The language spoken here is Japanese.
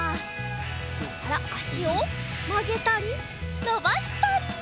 そしたらあしをまげたりのばしたり！